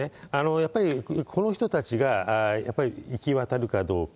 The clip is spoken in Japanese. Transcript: やっぱりこの人たちが行き渡るかどうか。